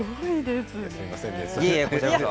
すみませんね。